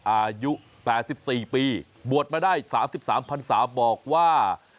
อายุ๘๔ปีบวชมาได้๓๓พันศาบอกว่า